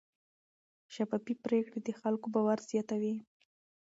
شفافې پریکړې د خلکو باور زیاتوي.